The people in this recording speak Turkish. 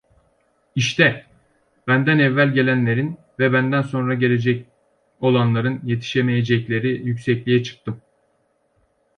İşte, benden evvel gelenlerin ve benden sonra gelecek olanların yetişemeyecekleri yüksekliğe çıktım.